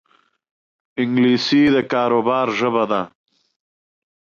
انګلیسي د کاروبار ژبه ده